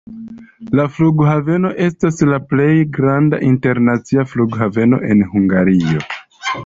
La Flughaveno estas la plej granda internacia flughaveno en Hungario.